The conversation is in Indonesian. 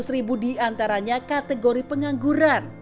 empat ratus ribu di antaranya kategori pengangguran